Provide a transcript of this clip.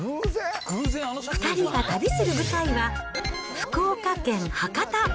２人が旅する舞台は、福岡県博多。